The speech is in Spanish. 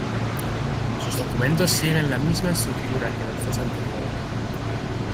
Sus documentos siguen la misma estructura que los dos anteriores.